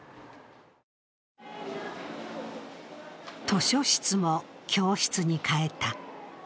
図書室も教室に変えた。